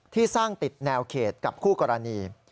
ที่สร้างติดแนวเขตกับคู่กรณี